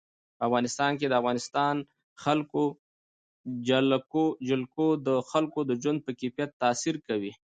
په افغانستان کې د افغانستان جلکو د خلکو د ژوند په کیفیت تاثیر کوي.